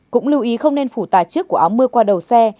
cũng lưu ý không nên phủ tà chiếc của áo mưa qua đầu xe